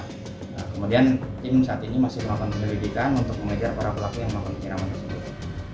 kemudian tim saat ini masih melakukan penyelidikan untuk mengejar para pelaku yang makan penyiraman air keras